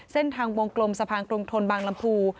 เส้นทางวงกลมสะพานกรุงทนบางลำพู